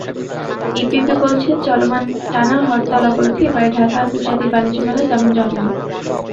EPB বলছে, চলমান টানা হরতাল-অবরোধে এবারের ঢাকা আন্তর্জাতিক বাণিজ্য মেলা তেমন জমেনি।